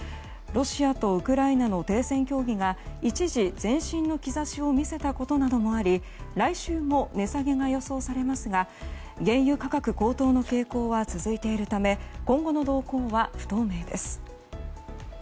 ロシアとウクライナの停戦協定が一時、前進の兆しを見せたことなどもあり来週も値下げが予想されますが原油価格高騰の傾向は続いているため今後の動向は不透明です。